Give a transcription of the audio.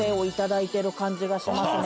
感じがしますね。